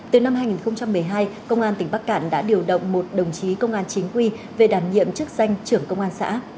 từ năm hai nghìn một mươi hai công an tỉnh bắc cạn đã điều động một đồng chí công an chính quy về đảm nhiệm chức danh trưởng công an xã